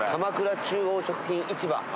鎌倉中央食品市場。